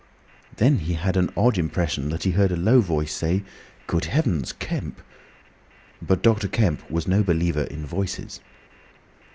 Then he had an odd impression that he had heard a low voice say, "Good Heavens!—Kemp!" But Dr. Kemp was no believer in voices.